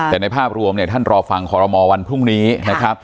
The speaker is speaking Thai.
แต่ในภาพรวมเนี่ยท่านรอฟังคอรมอลวันพรุ่งนี้นะครับ